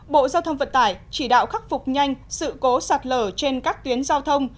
bộ giao thông vận tải chỉ đạo khắc phục nhanh sự cố sạt lở trên các tuyến giao thông